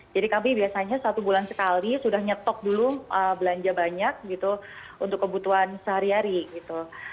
jadi kami biasanya satu bulan sekali sudah nyetok dulu belanja banyak gitu untuk kebutuhan sehari hari gitu